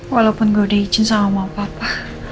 walaupun gue udah izin sama mama papa